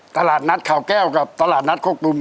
ตลาดนัดข่าวแก้วครับตลาดนัดโคกปุ้มครับ